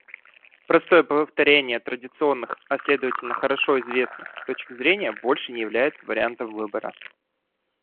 Простое повторение традиционных — а следовательно хорошо известных — точек зрения больше не является вариантом выбора.